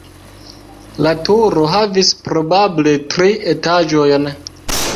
La turo havis probable tri etaĝojn.